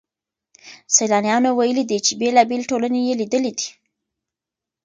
سيلانيانو ويلي دي چي بېلابېلې ټولني يې ليدلې دي.